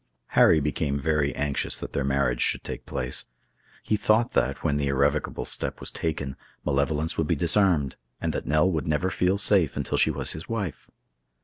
Harry became very anxious that their marriage should take place. He thought that, when the irrevocable step was taken, malevolence would be disarmed, and that Nell would never feel safe until she was his wife.